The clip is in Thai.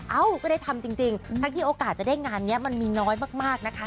ก็ได้ทำจริงทั้งที่โอกาสจะได้งานนี้มันมีน้อยมากนะคะ